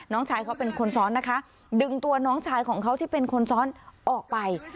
น้องชายเขาเป็นคนซ้อนนะคะดึงตัวน้องชายของเขาที่เป็นคนซ้อนออกไป